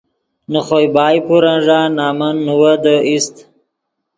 نے خوئے بائے پورن ݱا نمن نیویدے اِیست